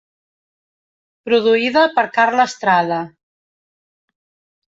Produïda per Carla Estrada.